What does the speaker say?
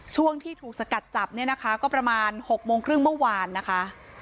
ช่วงที่ถูกสกัดจับเนี่ยนะคะก็ประมาณ๖โมงครึ่งเมื่อวานนะคะ